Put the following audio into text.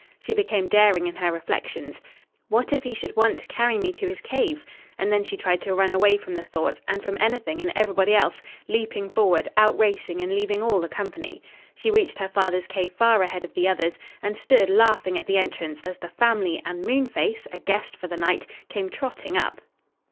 She became daring in her reflections: "What if he should want to carry me to his cave?" and then she tried to run away from the thought and from anything and everybody else, leaping forward, outracing and leaving all the company. She reached her father's cave far ahead of the others and stood, laughing, at the entrance, as the family and Moonface, a guest for the night, came trotting up.